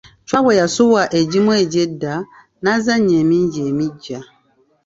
Chwa bwe yasubwa egimu egy'edda, n'azannya mingi emiggya.